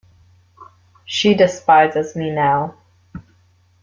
She despises me now.